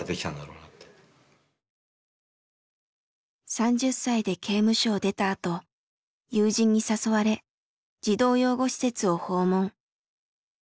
３０歳で刑務所を出たあと友人に誘われ児童養護施設を訪問。